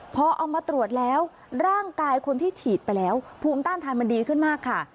พอเอามาตรวจแล้วร่างกายคนที่ฉีดไปแล้วภูมิต้านทานมันดีขึ้นมากค่ะ